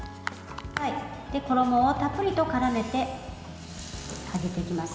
衣をたっぷりとからめて揚げていきます。